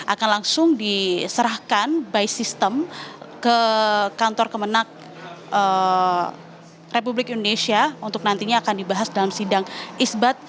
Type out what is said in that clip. akan langsung diserahkan by system ke kantor kemenang republik indonesia untuk nantinya akan dibahas dalam sidang isbat